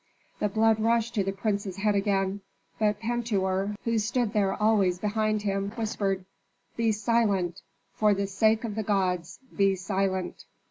The blood rushed to the prince's head again, but Pentuer, who stood there always behind him, whispered, "Be silent, for the sake of the gods, be silent."